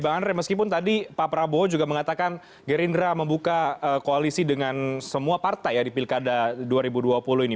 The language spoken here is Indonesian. bang andre meskipun tadi pak prabowo juga mengatakan gerindra membuka koalisi dengan semua partai ya di pilkada dua ribu dua puluh ini